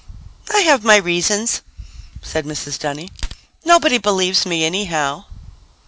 "I have my reasons," said Mrs. Dunny. "Nobody believes me anyhow."